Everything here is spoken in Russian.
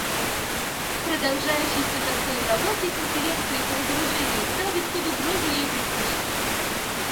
Продолжающийся застой в работе Конференции по разоружению ставит под угрозу ее престиж.